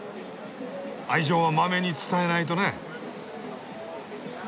愛情はまめに伝えないとね。